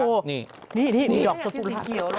โอ้โฮนี่มีดอกสกุละ